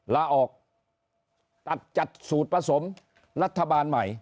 ลาออกตัดจัดสูตรผสมรัฐบาลใหม่